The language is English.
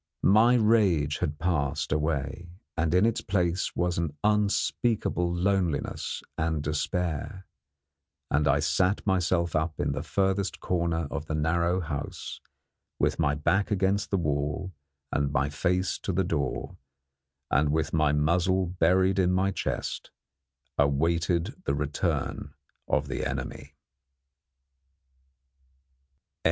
My rage had passed away, and in its place was an unspeakable loneliness and despair; and I sat myself up in the furthest corner of the narrow house, with my back against the wall and my face to the door, and, with my muzzle buried in my chest, awaited the return of the enemy.